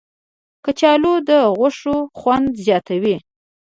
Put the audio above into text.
کچالو د غوښو خوند زیاتوي